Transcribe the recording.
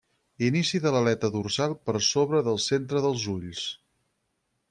Inici de l'aleta dorsal per sobre del centre dels ulls.